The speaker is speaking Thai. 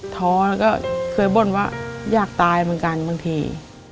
ท้อแล้วก็เคยบ่นว่าอยากตายเหมือนกันบางที